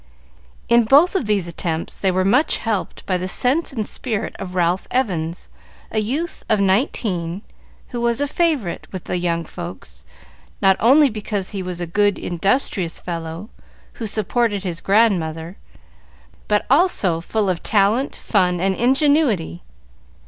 In both of these attempts they were much helped by the sense and spirit of Ralph Evans, a youth of nineteen, who was a great favorite with the young folks, not only because he was a good, industrious fellow, who supported his grandmother, but also full of talent, fun, and ingenuity.